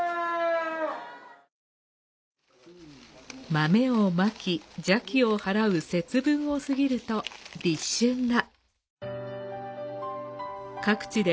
豆をまき邪気を払う節分を過ぎると立春だ。